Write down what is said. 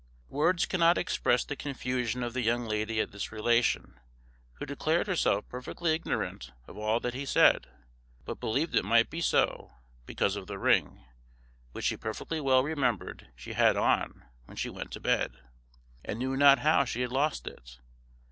Words cannot express the confusion of the young lady at this relation, who declared herself perfectly ignorant of all that he said; but believed it might be so because of the ring, which she perfectly well remembered she had on when she went to bed, and knew not how she had lost it.